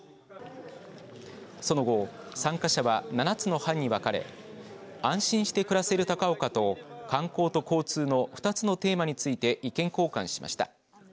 その後、参加者は７つの班にわかれ安心して暮らせる高岡と観光と交通の２つのテーマについて意見交換しました。